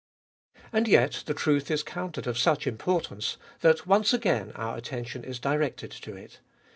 And yet the truth is counted of such importance, that once again our attention is directed to it.